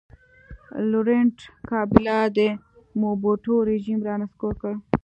لورینټ کابیلا د موبوټو رژیم را نسکور کړ.